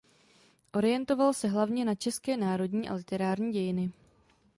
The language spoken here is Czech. Orientoval se hlavně na české národní a literární dějiny.